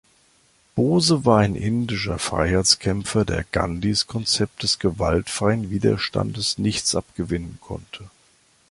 Bose war ein indischer Freiheitskämpfer, der Gandhis Konzept des gewaltfreien Widerstandes nichts abgewinnen konnte.